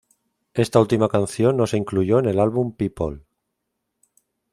Esta última canción no se incluyó en el álbum "People".